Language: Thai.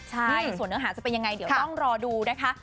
ใช่ส่วนเนื้อหาจะเป็นยังไงเดี๋ยวต้องรอดูนะคะ